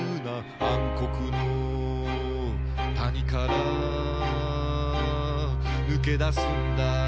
「暗黒の谷から脱けだすんだ」